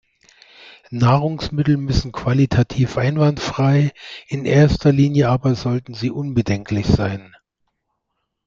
Nahrungsmittel müssen qualitativ einwandfrei, in erster Linie aber sollten sie unbedenklich sein.